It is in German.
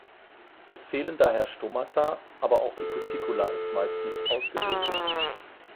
Es fehlen daher Stomata, aber auch die Cuticula ist meist nicht ausgebildet.